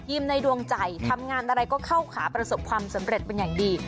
ในดวงใจทำงานอะไรก็เข้าขาประสบความสำเร็จเป็นอย่างดี